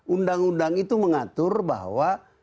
undang undang itu mengatur bahwa